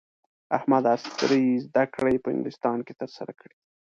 احمد عصري زده کړې په انګلستان کې ترسره کړې دي.